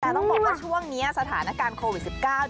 แต่ต้องบอกว่าช่วงนี้สถานการณ์โควิด๑๙